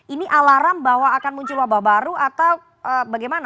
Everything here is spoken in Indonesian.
ini alarm bahwa akan muncul wabah baru atau bagaimana